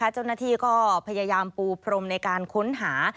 เจ้าหน้าที่ก็พยายามปูพรมในการค้นหา